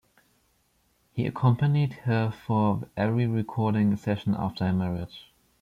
He accompanied her for every recording session after her marriage.